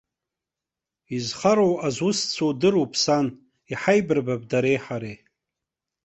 Изхароу азусҭцәоу дыруп, сан, иҳаибарбап дареи ҳареи!